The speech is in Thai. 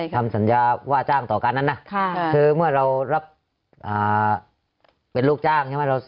ทำสัญญาว่าจ้างต่อการนั้นนะคือเมื่อเรารับเป็นลูกจ้างใช่ไหม